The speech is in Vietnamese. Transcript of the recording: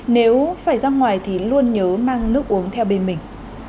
nếu phải ra ngoài thì luôn nhớ mang nước uống theo bên mình